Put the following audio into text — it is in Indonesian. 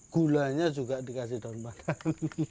gulanya juga dikasih daun pandan